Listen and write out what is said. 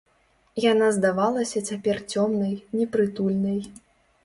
Яна здавалася цяпер цёмнай, непрытульнай.